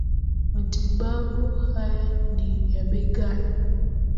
matibabu haya ni ya bei ghali